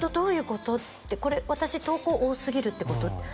ういうこと？って私投稿多すぎるってこと？